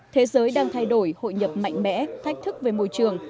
thế giới đang thay đổi hội nhập mạnh mẽ thách thức về môi trường